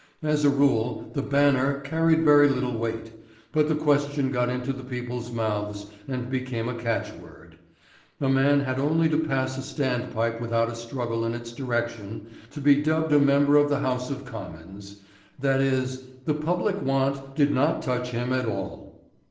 As a rule, the Banner carried very little weight, but the question got into the people's mouths and became a catchword. A man had only to pass a standpipe without a struggle in its direction, to be dubbed a member of the House of Commons, i.e., the public want did not touch him at all.